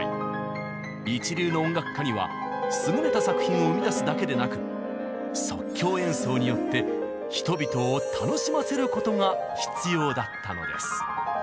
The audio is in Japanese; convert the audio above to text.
一流の音楽家には優れた作品を生み出すだけでなく即興演奏によって人々を楽しませることが必要だったのです。